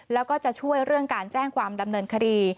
แล้วก็จะช่วยเรื่องการแจ้งความดำเนินคดี